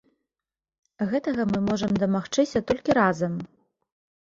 Гэтага мы можам дамагчыся толькі разам.